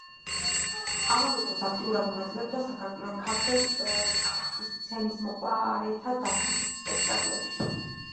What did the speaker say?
ამავე დროს აქტიურად მონაწილეობდა ქართველ სცენისმოყვარეთა დასის სპექტაკლებში.